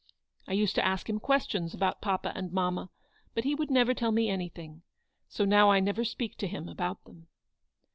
I used to ask him questions about papa and mamma, but he would never tell me anything. So now I never speak to him about them."